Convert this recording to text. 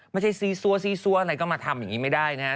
ไม่ใช่ซีซั่วซีซั่วอะไรก็มาทำอย่างนี้ไม่ได้นะฮะ